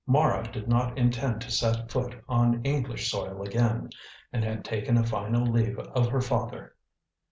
Mara did not intend to set foot on English soil again, and had taken a final leave of her father.